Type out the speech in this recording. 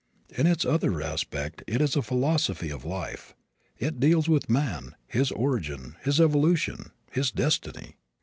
In its other aspect it is a philosophy of life. It deals with man, his origin, his evolution, his destiny.